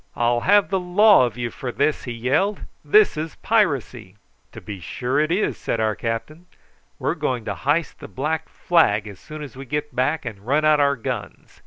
"I'll have the law of you for this," he yelled. "This is piracy." "To be sure it is," said our captain; "we're going to hyste the black flag as soon as we get back, and run out our guns.